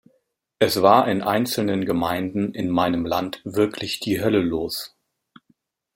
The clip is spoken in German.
Es war in einzelnen Gemeinden in meinem Land wirklich die Hölle los.